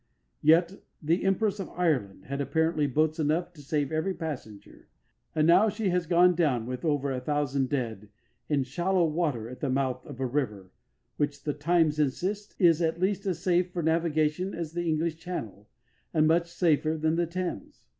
Yet the Empress of Ireland had apparently boats enough to save every passenger, and now she has gone down with over a thousand dead in shallow water at the mouth of a river which, the Times insists, is at least as safe for navigation as the English Channel, and much safer than the Thames.